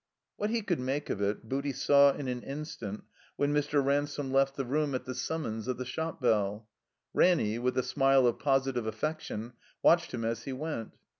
What he could make of it Booty saw ir :n instant when Mr. Ransome left the room at the summons of the shop bell. Ranny, with a smile of positive affection, watched him as he went.